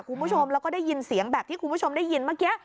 คุณผู้ชมแล้วก็ได้ยินเสียงแบบที่คุณผู้ชมได้ยินเมื่อกี้